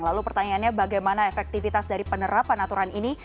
lalu pertanyaannya bagaimana efektivitas dari penerapan aturan ini